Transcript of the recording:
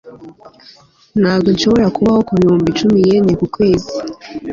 Ntabwo nshobora kubaho ku bihumbi icumi yen ku kwezi